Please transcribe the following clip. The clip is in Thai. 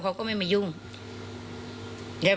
เผื่อเขายังไม่ได้งาน